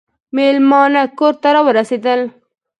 مېلمانه کور ته راورسېدل .